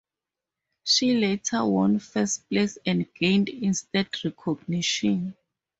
She later won first place and gained instant recognition.